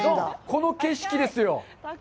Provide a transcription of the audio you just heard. この景色ですよ！